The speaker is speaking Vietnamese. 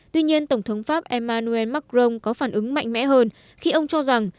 tuy nhiên tổng thống pháp emmanuel macron có phản ứng mạnh mẽ hơn khi ông cho rằng